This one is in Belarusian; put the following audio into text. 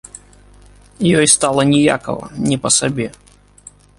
Ёй стала ніякава, не па сабе.